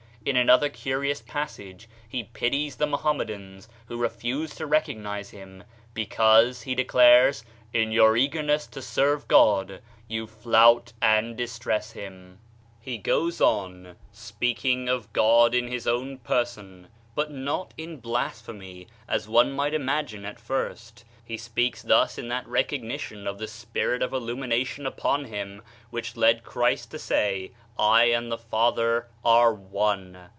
In another curious passage he pities the Mohammedans who refuse to recognize him, "because," he declares, "in your eagerness to serve God you flout and distress Him!" 41 THE SHINING PATHWAY He goes on, speaking of God in his own person, but not in blasphemy, as one might imagine at first. He speaks thus in that recog nition of the spirit of illumination upon him which led Christ to say: "I and the Father are one."